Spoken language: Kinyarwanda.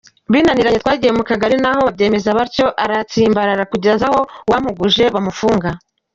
Binaniranye twagiye mu Kagari na ho babyemeza batyo, aratsimbarara kugeza aho uwampuguje bamufunga.